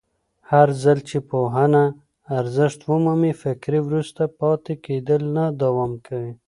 هرځل چې پوهنه ارزښت ومومي، فکري وروسته پاتې کېدل نه دوام کوي.